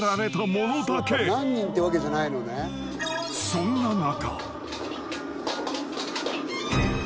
［そんな中］